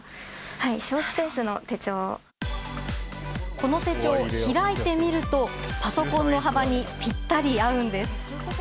この手帳、開いてみるとパソコンの幅にぴったり合うんです。